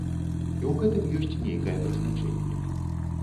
І ў гэтым ёсць нейкае прызначэнне.